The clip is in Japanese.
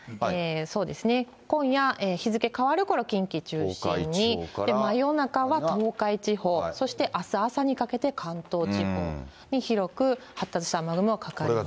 そうですね、今夜、日付変わるころ、近畿中心に真夜中は東海地方、そしてあす朝にかけて関東地方に広く発達した雨雲がかかります。